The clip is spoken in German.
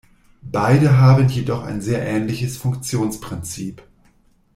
Beide haben jedoch ein sehr ähnliches Funktionsprinzip.